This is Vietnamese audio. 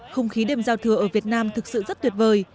không khí đêm giao thừa ở việt nam thực sự rất tuyệt vời